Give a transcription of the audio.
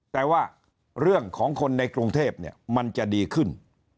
แต่ว่าเรื่องของคนในกรุงเทพเนี่ยมันจะดีขึ้น